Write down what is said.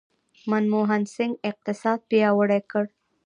منموهن سینګ اقتصاد پیاوړی کړ.